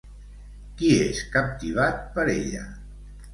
Qui és captivat per ella?